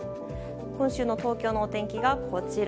今週の東京のお天気が、こちら。